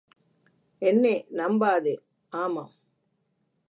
என்னெ நம்பாதே, ஆமாம்.